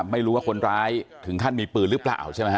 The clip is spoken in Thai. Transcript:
ไม่รู้ว่าคนร้ายถึงขั้นมีปืนหรือเปล่าใช่ไหมฮ